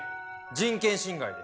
人権侵害です。